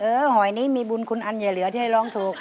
หอยนี้มีบุญคุณอันอย่าเหลือที่ให้ร้องถูก